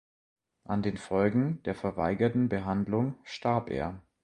An den Folgen der verweigerten Behandlung starb er.